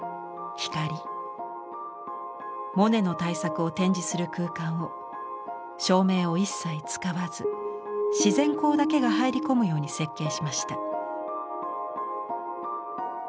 モネの大作を展示する空間を照明を一切使わず自然光だけが入り込むように設計しました。